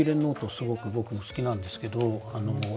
すごく僕も好きなんですけど